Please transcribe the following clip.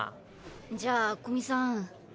じゃあ古見さん。